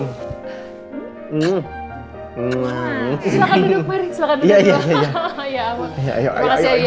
terima kasih ayah ya